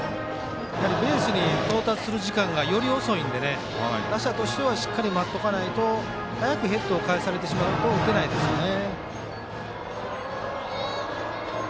やはりベースに到達する時間がより遅いんで打者としてはしっかり待っておかないと早くヘッドを返されてしまうと打てないですよね。